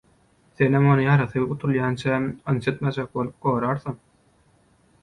senem ony ýarasy gutulýança ynjytmajak bolup gorarsyň